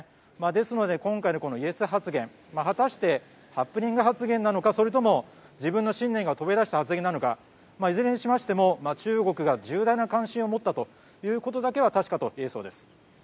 ですので、今回のイエス発言果たしてハプニング発言なのかそれとも自分の信念が飛び出した発言なのかいずれにしましても中国が重大な関心を持ったということだけは確かと言えそうです。